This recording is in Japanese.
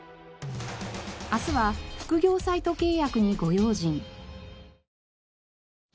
明日は副業サイト契約にご用心！